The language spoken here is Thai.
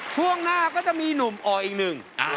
ช่วงหน้าก็จะมีหนุ่มออกอีกหนึ่ง